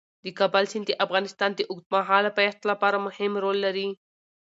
د کابل سیند د افغانستان د اوږدمهاله پایښت لپاره مهم رول لري.